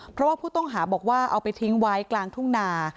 เพราะว่าผู้ต้องหาบอกว่าเอาไปทิ้งไว้กลางทุ่งนา